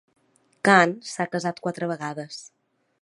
Caan s'ha casat quatre vegades.